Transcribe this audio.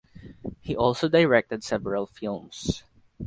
He also directed several films.